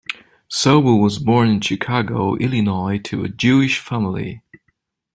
Sobel was born in Chicago, Illinois, to a Jewish family.